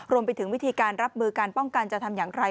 รวมไปถึงวิธีการรับมือการป้องกันจะทำอย่างไร